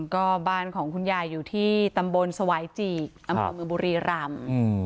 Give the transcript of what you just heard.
ก็บ้านของคุณยายอยู่ที่ตำบลสวายจีกอำเภอเมืองบุรีรำ